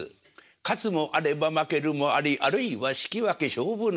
「勝つもあれば負けるもありあるいは引き分け勝負なし。